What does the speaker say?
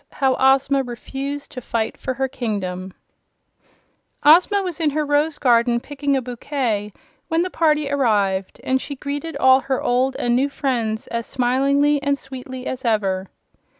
How Ozma Refused to Fight for Her Kingdom Ozma was in her rose garden picking a bouquet when the party arrived, and she greeted all her old and new friends as smilingly and sweetly as ever.